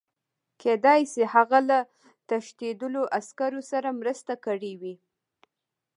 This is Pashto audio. کېدای شي هغه له تښتېدلو عسکرو سره مرسته کړې وي